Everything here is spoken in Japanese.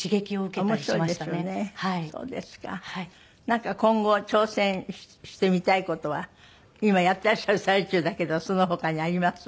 なんか今後挑戦してみたい事は今やっていらっしゃる最中だけどその他にあります？